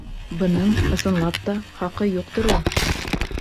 Бының, ысынлап та, хаҡы юҡтыр ул!